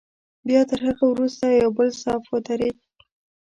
بیا تر هغه وروسته یو بل صف ودرېد.